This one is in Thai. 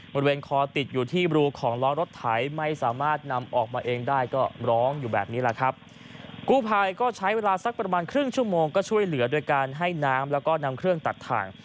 บริเวณคอติดอยู่ที่รูของล้อรถไถไม่สามารถนำออกมาเองได้ก็ร้องอยู่แบบนี้แหละครับกู้ภัยก็ใช้เวลาสักประมาณครึ่งชั่วโมงก็ช่วยเหลือโดยการให้น้ำแล้วก็นำเครื่องตัดถ่าง